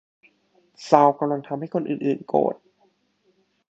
ซาลกำลังทำให้คนอื่น ๆ โกรธ